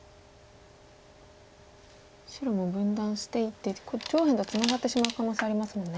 白も分断していって上辺がツナがってしまう可能性ありますもんね。